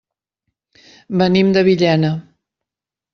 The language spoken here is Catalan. Venim de Villena.